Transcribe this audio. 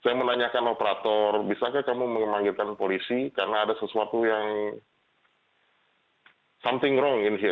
saya menanyakan operator bisakah kamu memanggilkan polisi karena ada sesuatu yang something wrong in heal